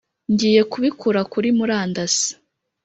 ngiye kubikura kuri murandasi